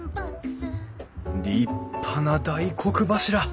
立派な大黒柱。